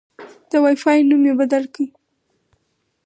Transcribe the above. د وای فای نوم مې بدل کړ.